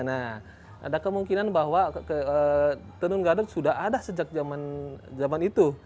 nah ada kemungkinan bahwa tenun gadot sudah ada sejak zaman itu